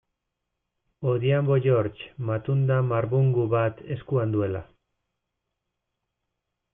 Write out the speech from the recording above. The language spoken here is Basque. Odhiambo George, matunda marbungu bat eskuan duela.